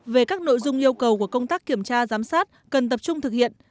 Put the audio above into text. về các nội dung yêu cầu của công tác kiểm tra giám sát cần tập trung thực hiện